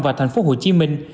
và thành phố hồ chí minh